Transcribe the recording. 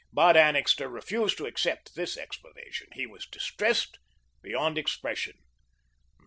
But Annixter refused to accept this explanation. He was distressed beyond expression.